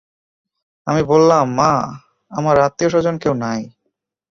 আমি বললাম, মা, আমার আত্মীয়স্বজন কেউ নাই।